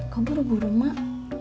kok buru buru mak